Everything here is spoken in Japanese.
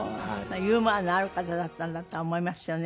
ユーモアのある方だったんだとは思いますよね。